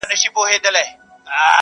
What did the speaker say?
تا بندولې سرې خولۍ هغه یې زور واخیست-